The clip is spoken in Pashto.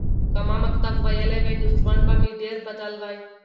که ما مکتب ویلی وای نو ژوند به مې ډېر بدل وای.